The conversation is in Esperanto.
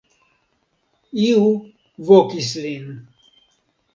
Iu vokis lin.